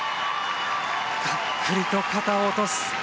がっくりと肩を落とす。